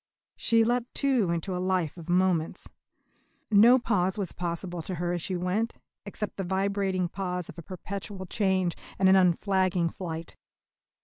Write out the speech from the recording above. She leapt, too, into a life of moments. No pause was possible to her as she went, except the vibrating pause of a perpetual change and of an unflagging flight.